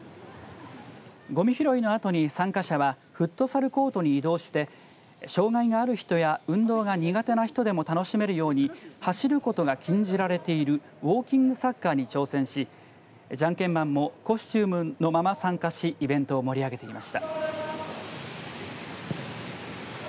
ごみ拾いのあとに参加者はフットサルコートに移動して障害がある人や運動が苦手な人でも楽しめるように走ることが禁じられているウォーキングサッカーに挑戦しじゃんけんマンもコスチュームのまま参加しイベントを盛り上げていました。